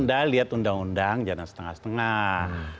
anda lihat undang undang jangan setengah setengah